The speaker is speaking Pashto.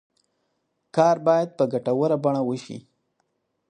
کار باید په ګټوره بڼه وشي.